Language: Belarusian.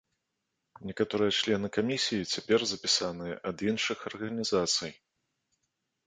Некаторыя члены камісіі цяпер запісаныя ад іншых арганізацый.